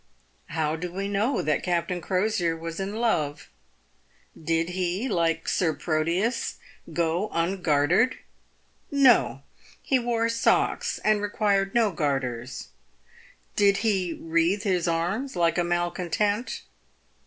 How do we know that Captain Crosier was in love ? Did he, like Sir Proteus, go ungartered ? No ! he wore socks, and required no garters. Did he wreathe his arms like a malcontent